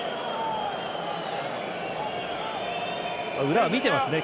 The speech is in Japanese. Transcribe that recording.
裏は見てますね。